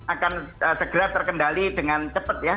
akan segera terkendali dengan cepet ya